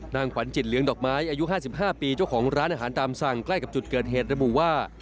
นางขวัญจิตเหลืองดอกไม้อายุ๕๕ปีเจ้าของร้านอาหารตามสั่งใกล้กับจุดเกิดเหตุระบุว่า